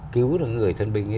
cứu được người thân binh ấy